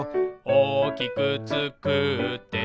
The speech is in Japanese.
「おおきくつくって」